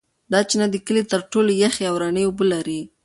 دا چینه د کلي تر ټولو یخې او رڼې اوبه لري.